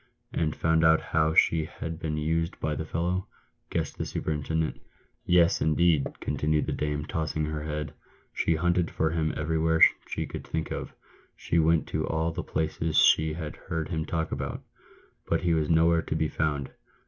"And [found out how she had been used by the fellow," guessed the superintendent. " Yes, indeed !" continued the dame, tossing her head. " She hunted for him everywhere she could think of ; she went to all the places she had heard him talk about ; but he was nowhere to be found.